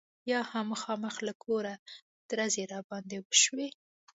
یا هم مخامخ له کوره ډزې را باندې وشي.